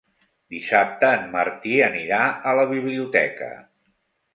Dissabte en Martí anirà a la biblioteca.